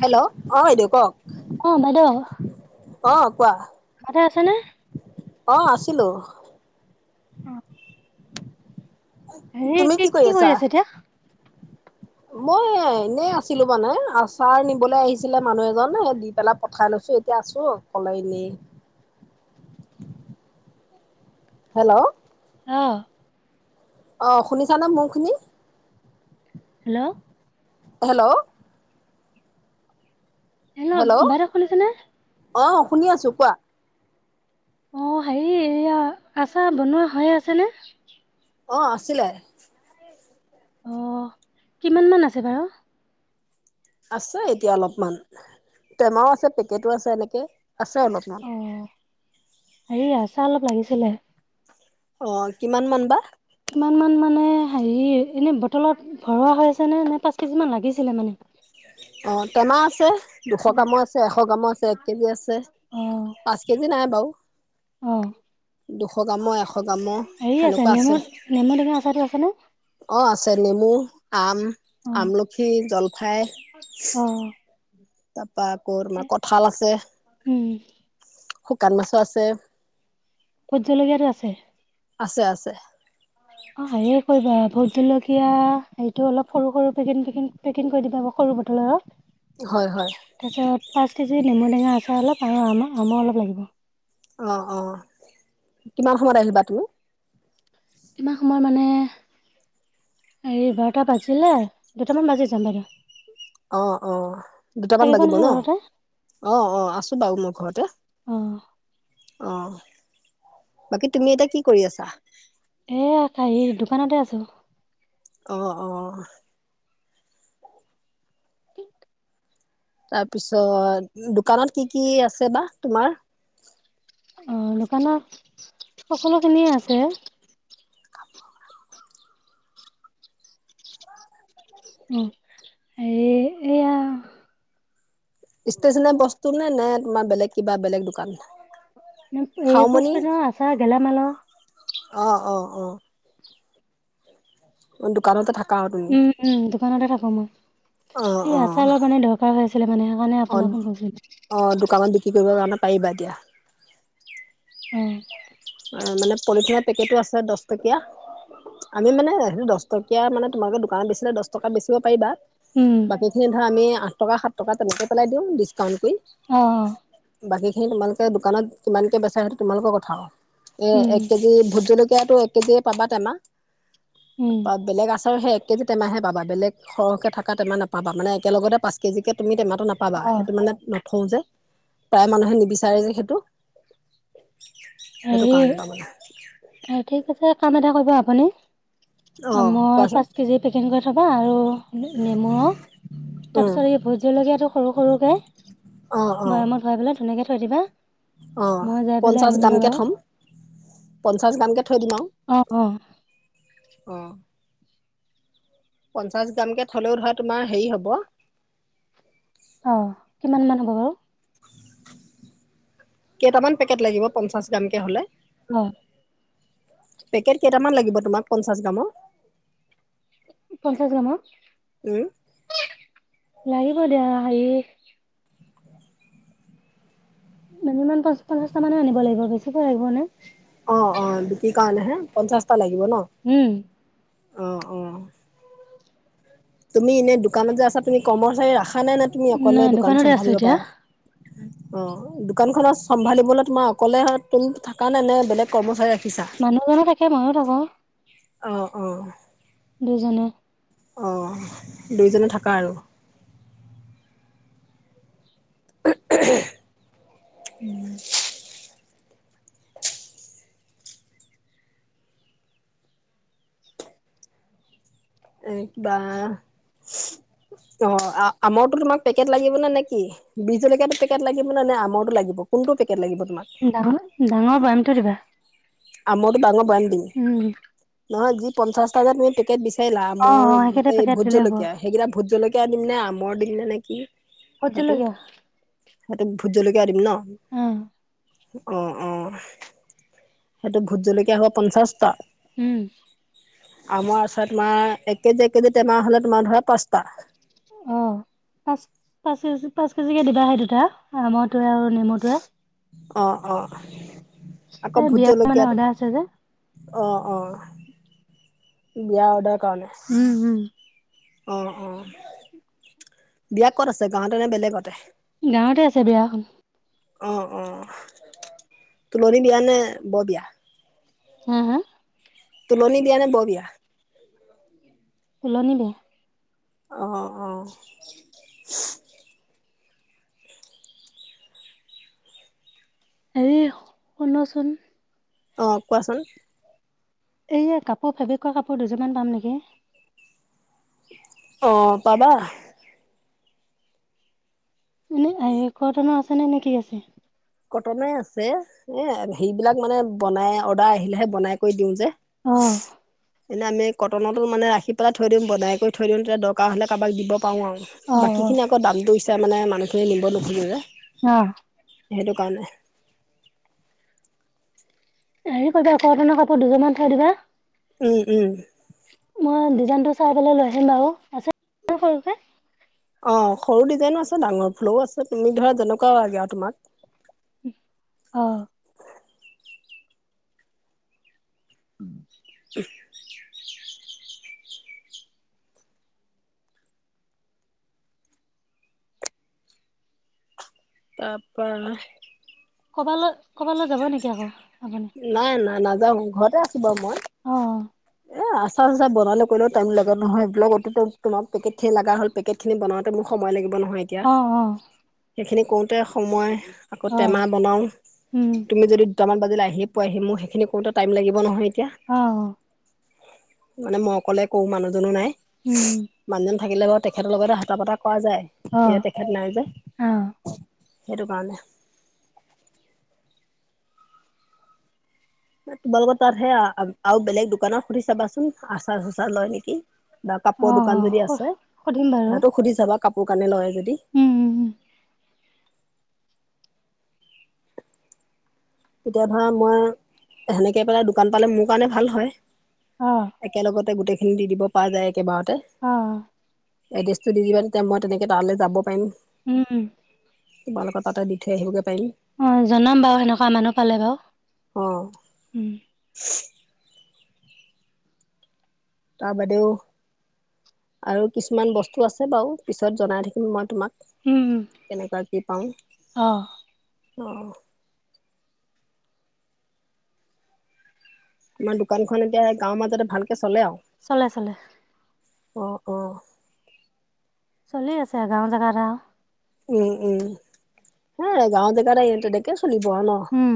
Hello অ বাইদউ। কক। অ' বাইদেউ। অ' কোৱা। বাইদেউ আছে নে। অ' আছিলো। [inaudible] তুমি কি কৰি আছা। মই ইনেই আছিলো মানে, আচাৰ নিবলৈ আহিছিলে মানুহ এজন। দি পেলাই পঠাই লৈছো এতিয়া আছো ক'লে ইনেই। হেল্ল'। অ'। অ' শুনিছানে মোৰখিনি। হেল্ল'। হেল্ল'। হেল্ল, বাইদেও শুনিছে নে। অ' শুনি আছো কোৱা। অ'হেৰি এইয়া আচা বনোৱা হৈয়ে আছেনে। অ' আছিলে অ' কিমান মান আছে বাৰু। আছে এতিয়া অলপমান। টেমাও আছে পেকেটো আছে এনে হে আছে অলপমান। অ হেৰি, আচা অলপ লাগিছিলে। অ' কিমান মান বা কিমান মান মানে, হেই এনে বটলত ভৰোৱা হৈ আছে নে নে পাঁচ কেজি মান লাগিছিলে মানে। অ' টেমাহ আছে। দুশ অ গ্ৰামৰ আছে এশ গ্ৰামৰ আছে এক কেজি আছে অ পাঁচ কেজি নাই বাৰু অ দুশ গ্ৰামৰ এশ গ্ৰামৰ হেৰি সনেকুৱা নেমু আছে নেমু টেঙা আচাৰটো আছেনে? অ আছে নেমু আম অ আমলখি জলফাই অ ত বা আকৌ তোমাৰ কঁঠাল আছে উম শুকান মাছো আছে ভোট জলকীয়াটো আছে। আছে আছে অ হে কৰিবা ভোট জলকীয়া হটো অলপ সৰু সৰু পেকে পেক কৰি দিবা সৰু বটলৰ হয় হয় তাৰপিছত পাঁচ কেজি নেমু টেঙা আ চাই অলপ আৰু আমাৰ আমো অলপ লাগিব অ অ কিমান সময়ত আহিবা তুমি ইমান সময় মানে হেৰি বাৰটা বাজিলে দুটামান বাজি যাম বাইদেউ অ অ দুটামান থাকিব বাজিব ন নহয় ঘৰতে অঁ অ আছোঁ বাৰু মই ঘৰতে অ অঁ বাকী তুমি এতিয়া কি কৰি আছা এয়া হেৰি দোকানতে আছো অহ অ তাৰপিছত দোকানত কি কি আছে বা তোমাৰ অ দোকানৰ সকলোখিনিয়ে আছে অ এই এয়া ষ্টেচনোৰী বস্তু নে নে তোমাৰ বেলেগ কিবা বেলেগ দোকান এই খাও মনি পুষ্পিনৰ আচাৰ গেলামালৰ অ অ অ অ দোকানতে থাকা আৰু তুমি উম উম দোকানতে থাকোঁ মই অ', সে অ', আচাৰ অলপ মানে দৰকাৰ হৈ আছিলে মানে সেইকাৰণে অ', আপোনাক ফোন অ', দোকানত কৰিছিলো বিক্ৰী কৰিবৰ কাৰণে পাৰিবা এতিয়া অ মানে পলিথিনৰ পেকেটো আছে দহ টকীয়া আমি মানে সেইটো দহ টকীয়া মানে তোমালোকে দোকানত বেচিলে দহ টকা বেচিব পাৰিবা উম, বাকী খিন ধৰ আমি আঠ টকা সাত টকা তেনেকে পেলাই দিও কমকৈ অ', বাকীখিনি তোমালোকে দোকানত কিমানকে বেচা সেইটো তোমালোকৰ কথা আৰু এ উম, এক কেজি ভোট জলকীয়াতো কেজিয় পাবা টেমাহ উম। তাপা বেলেগ আছে সেই একেজি টেমাহে পাবা বেলেগ সৰহকে থকা নাপাবা মানে একলগতে পাঁচ কেজিকে তুমি টেমা নাপাবা অ', সেইটো মানে থওঁ যে প্ৰায় মানুহে নিবিচাৰে যে সেইটো সেইটো হেৰি কাৰণে তাৰমানে ঠিক আছে কাম এটা কৰিব আপুনি অ' আমৰ কোৱাচোন পাঁচ কেজি পেকিন কৰি থবা আৰু নেমুঅ তাৰ উম পিছত এই ভোট জলকীয়াাতটো সৰু সৰুকে অ' অ' বয়ামত ভৱাই পেলাই ধুনীয়াকে থ ধৰিবা অ পঞ্চাশ গামকে পঞ্চাছ গ্ৰামকে থৈ দিম আও অ', অ', অ পঞ্চাশ গ্ৰামকে থলেও ধৰা তোমাৰ হেৰি হ'ব অ কিমান মান হ'ব বাৰু কেইটামান পেকেট লাগিব পঞ্চাশ গ্ৰাম কে হলে অ পেকেট কেইটামান লাগিব তোমাক পঞ্চাশ গ্ৰামৰ পঞ্চাশ গামৰ। উম লাগিব দিয়া হেৰি মিনিমাম পঞ্চা পঞ্চাশটা মানে আনিব লাগিব বেছিকৈ লাগিব নে? অ', অ', দুটি কাৰণে হে, পঞ্চাশ া লাগিব ন? উম, অঁ অঁ। তুমি এনে দোকানত যে আছা তুমি কৰ্মচাৰী ৰখা নাই নে তুমি অকলে নাই দোকান দোকানতে আছো চম্ভালিব এতিয়া পাৰা? অ, দোকানখনত চম্ভালিবলৈ তোমাৰ অকলে তুম থকা নে নে বেলেগ কৰ্মচাৰী ৰা মানুহজনো থাকে মইও থাকো। অ', অ'। দুজনে। অঁ। দুইজনে থাকা আৰু। উম এক বা, অ। আমৰটো তোমাক পেকেট লাগিবনে নে কি? বী জলকীয়া দুপেকেট লাগিব নে আমৰটো লাগিব কোনটো পেকেট লাগিব তোমাক? টো দিবা। আমৰটো ডাঙৰ বয়াম দিম উম। নহয় যি পঞ্চাশটা যে তুমি পেকেট বিচাৰিলা অ আমৰ অ একেটা এই পেকেট ভোট দিলে হ'ব। জলকীয়া সেইকেইটা ভোট জলকীয়া দিম নে আমৰ অিল ন নে কি সেইটো, জলকীয়া। সেইটো ভোট জলকীয়া দিম ন? উম অঁ, অঁ। সেইটো ভোট জলকীয়া হ'ব পঞ্চাশটা। আমাৰ আচ তোমাৰ এক কেজি এক কেজি টেমা হলে তোমাৰ ধৰা পাঁচটা। অ পাঁচ পাঁচ কেজি পাঁচ কেজিকে দিবা সেই দুতটা, আমৰটোৱে আৰু নেমুটোৱে। অঁ, অঁ। এ বিয়া মানে অৰ্ডাৰ আছে যে। অ', অ', বিয়া অডাৰ উম উম। অঁ, অঁ। বিয়য়া ক'ত আছে গাঁৱতে নে বেলেগত? গাঁৱতে আছে বিয়াখন। অ', অ', তুলনি বিয়া নে বৰ বিয়া? হে হে? তুলনি বিয়া নে ব বিয়া তুলনি বিয়া অঁ অঁ আজি শুনাচোন অঁ কোৱাচোন এইয়া কাপোৰ ফেব্ৰিকৰ কাপোৰ দুযোৰমান পাম নেকি অঁ পাবা এনে কটনৰ আছে তেনেহলে কি আছে কটনে আছে এ সেইবিলাক মানে বনাই অৰ্ডাৰ আহিলেহে বনাই কৰি দিওঁ যে অ এনে আমি কটনতো মানে ৰাখি পেলাই থৈ দিম বনাই কৰি থৈ দিম তেতিয়া দৰকাৰ হলে কাৰোবাক দিব পাৰো অ আৰু বাকী অ খিনি আকৌ দামতটো মানে মানুহ চবেই নিব নুখুযে যে অঁ সেইটো কাৰণে হেৰি কৰিবা কটনৰ কাপোৰ দুজুমান থৈ দিবা উম উম মই ডিজাইনটো চাই পেলাই লৈ আহিম বাৰু আছে সৰুকে অঁ সৰু ডিজাইনো আছে ডাঙৰ ফুলওঁ আছে তুমি ধৰা যেনেকুৱা লাগে আৰু তোমাক অঁ উম তাৰ পৰা নাই ক'বালৈ ক'বালৈ যাব নেকি আকৌ আপুনি? নাই নাযাওঁ ঘৰতে আছো মই অ', হয় মিছা বনালে কৰিলেও টাইম লগত নহয় বলোমেেটিন লগা হ'ল পেকেকখিনি বনাওঁতে মোৰ সময় লাগিব নহয় এতিয়া অ', অ', সেইখিন কওঁতে সময় আকৌ টেমা বনাওঁ উম, তুমি যদি দুটামান বাজিলৈ আহি পোৱাহি মোৰ সেইখিনি কৰওঁতে টাইম লাগিব নহয় এতিয়া অ', মান মই অকলে কোৰো মানুহজনো নাই উম, মানুহজন থাকিলে বা তেখেতৰ লগতে হাতা পতা কোৱা যায় অ', অ', ইয়াত তেখেত নাই যে সেই তো কাৰণে তোমালোকৰ তাতহে আৰু বেলেগ দোকানৰ সুধি চাবাচোন আচাৰ চোচাৰ লয় নেকি বা কাপোৰৰ দোকান যদি অ'। আছে সুধিম বাৰু তাহতো সুধি চাবা কাপোৰ কানে লয় যদি উম, উম। তেতিয়া ধৰা মই সেনেকে পেলাই দোকান পালে মোৰ কাৰণে ভাল অ'। হয় একেলগতে গোটেই খিনি দি দিব পৰা যায় কেইবাৰতে অ', এড্ৰেছটো দি দিবা তেতিয়া মই তেনেকৈ তালালৈ যাব পাৰিম উম, তোমালোক তাতে দি থৈ আহিবগৈ পাৰিম অঁ জনাম বাৰু সেনেকুৱা মানুহ পালে অ বাৰু উম তাৰ বাদেও আৰু কিছুমান বস্তু আছে বাৰু পিছত জনাই থাকিম মই তোমাক উম, উম। কেনেকুৱা কি অ'। পাওঁ অঁ তোম দোকানখন এতিয়া সেই গাঁৱৰ মাজতে ভাল চলে চলে অঁ অঁ চলি আছে গাওঁ জেগাত উম উম হা গাঁৱ জেগাত এনেকে চলিব ন উম।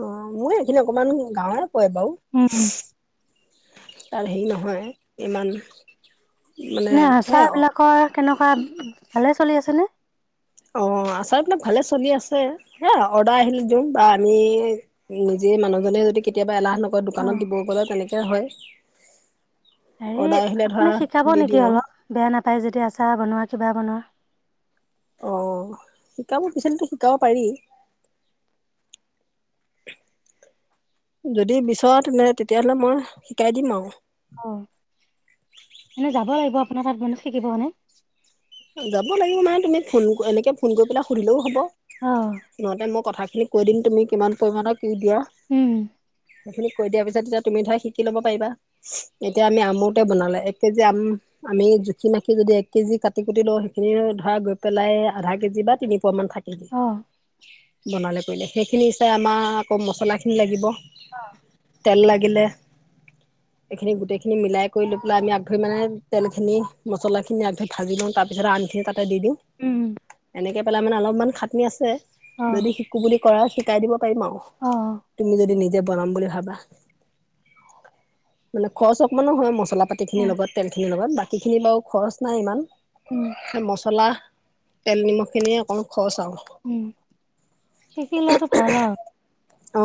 অ মই এইখিনি অকমান গাঁৱৰে পৰে বাৰু উম, তাৰ হেৰি নহয় ইমান মানে এনে সে আচাৰ বিলাকৰ কেনেকুৱা ভালে চলি আছেনে অ আচাৰপোনাক ভালে চলি আছে হে অৰ্ডাৰ আহিলে দিওঁ বা আমি নিজে মানুহজনে যদি কেতিয়াবা এলাহ নকৰে অ'। দোকানত দিব গ'লে তেনেকে হয়। হেৰি অৰ্ডাৰ আহিলে ধৰা আপুনি শিকাব দি নেকি দিওঁ আৰু অলপ বেয়া নাপায় যদি আচাহ বনোৱা কিবা বনোৱা অ শিকাবোৰ পিচালো শিকাব পাৰি যদি ত তেনে তেতিয়াহ'লে মই শ কাই দিম আৰু অ এনেই যাব লাগিব আপোনাৰ তাত মান শিকিব মানে যাব লাগিব মানে তুমি ফোন এনেকে ফোন কৰি পেলাই সুধিলেও হ'ব অহ নহতে মই কথাখিনি কৈ দিম তুমি কিমান পৰিমাণৰ কি দিয়া কৈ দিয়াৰ পিছত তেতিয়া তুমি ধৰা শিকি ল'ব পাৰিবা এতিয়া আমি আমোতে বনালে এক কেজি আম আমি জুখি মাখি যদি এক কেজি কাট কুটি কুটি দ সেইখিনি ধৰা গৈ পেলাই আধা কেজি বা তিনি পোৱা মান থাকি দি অহ বনালে কৰিলে সেইখিনি তাতে আমাৰ আকৌ মছলাখিনি লাগিব তেল লাগিলে এইখিনি গোটেই খিনি মিলাই কৰি লৈ পেলাই আমি মানে তেলখিনি মছলাখিনি আগ ধৰি ভাজি লওঁ আমখিনি তাতে দি দিওঁ এনে থাকে পেলাই মানে অলপমান খাটনি আছে অহ যদি শিকো বুলি কৰা আও শিকাই দিব পাৰিম আউ অহ তুমি যদি নিজে বনাম বুলি ভবা মানে খৰচ অকনমানো হয়। চলাপাতিখিনিৰ লগত তেলখিনিৰ লগত বা কিখিনি বাৰু খৰচ নাই ইমান। উম মচলা। তেল নিমখ খিনিয়ে অকণ খৰচ আৰু উম শিকি লোৱাটো ভাল আৰু।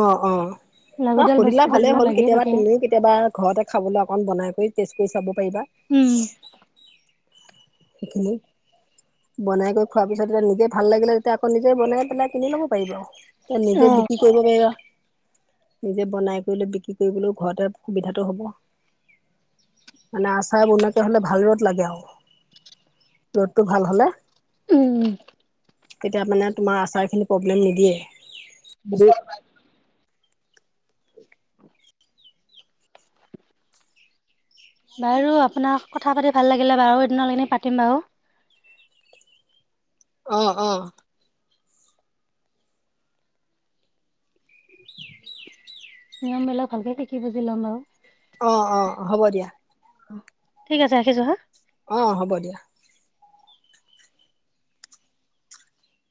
অ অ। অ লাগতিয়াল সুধিলে বস্তু যে ভালে এইবিলাক হ'ল লাগিয়ে কেতিয়াবা থাকে। তুমিও কেতিয়াবা ঘৰতে খাবলৈ অকণ বনাই কৰি টেষ্ট কৰি চাব। কৰিবা। উম সেইখিনি বনাই গয় খোৱাৰ পিছত যেতিয়া নিজে ভাল লাগিলে তেতিয়া আকৌ নিজে বনাই পেলাই কিনি ল'ব পাৰিব আৰু। তেতিয়া অ নিজে বিক্ৰী কৰিব পাৰিবা। নিজে বনাই কৰিলে বিক্ৰী কৰিবলৈও ঘৰতে সুবিধাটো হ'ব। মানে আচাৰ বনাকে হ'লে ভাল ৰ'দ লাগে আৰু। ৰ'দটো ভাল হলে উম। তেতিয়া মানে তোমাৰ আচাৰ খিনি প্ৰব্লেম নিদিয়ে বহোত বাৰু আপোনাক কথা পাতি ভাল লাগিলে বাৰু এদিনালই পাতিম বাৰু। অ অ। নিয়মবিলাক ভালকে শিকি বুজি ল'ম বাৰু। অ অ হ'ব দিয়া। অ ঠিক আছে ৰাখিছো হা। অ হ'ব দিয়া।